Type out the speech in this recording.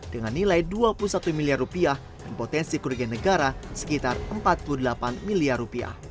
dengan nilai rp dua puluh satu miliar dan potensi kerugian negara sekitar rp empat puluh delapan miliar